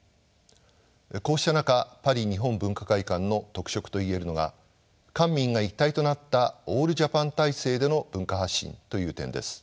こうした中パリ日本文化会館の特色と言えるのが官民が一体となったオールジャパン体制での文化発信という点です。